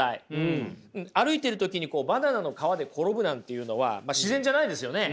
歩いている時にバナナの皮で転ぶなんていうのは自然じゃないですよね。